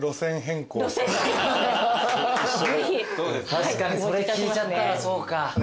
確かにそれ聞いちゃったらそうか。